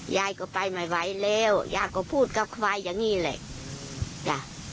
ยายก็ไปไม่ไหวแล้วยายก็พูดกับควายอย่างนี้แหละจ้ะ